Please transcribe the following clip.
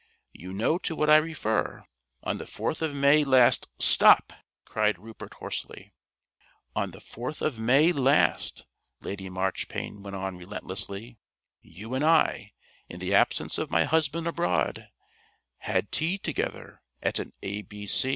You know to what I refer. On the 4th of May last " "Stop!" cried Rupert hoarsely. "On the 4th of May last," Lady Marchpane went on relentlessly, "you and I in the absence of my husband abroad had tea together at an A.